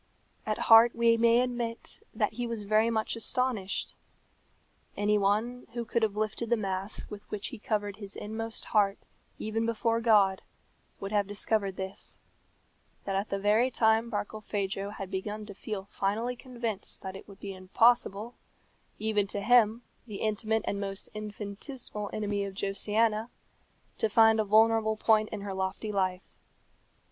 At heart we may admit that he was very much astonished. Any one who could have lifted the mask with which he covered his inmost heart even before God would have discovered this: that at the very time Barkilphedro had begun to feel finally convinced that it would be impossible even to him, the intimate and most infinitesimal enemy of Josiana to find a vulnerable point in her lofty life.